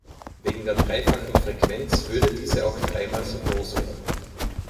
Wegen der dreifachen Frequenz würde diese auch dreimal so groß werden.